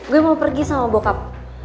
gue mau pergi sama bokap